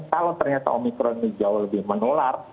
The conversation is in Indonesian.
kalau ternyata omikron ini jauh lebih menular